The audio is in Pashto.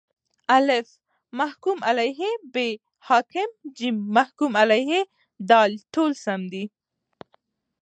الف: محکوم علیه ب: حاکم ج: محکوم علیه د: ټوله سم دي